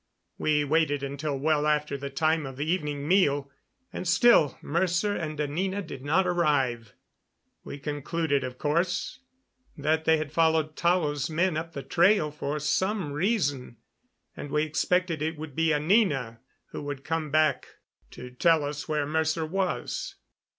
We waited until well after the time of the evening meal, and still Mercer and Anina did not arrive. We concluded, of course, that they had followed Tao's men up the trail for some reason, and we expected it would be Anina who would come back to tell us where Mercer was.